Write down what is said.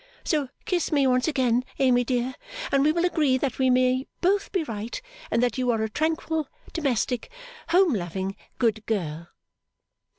So kiss me once again, Amy dear, and we will agree that we may both be right, and that you are a tranquil, domestic, home loving, good girl.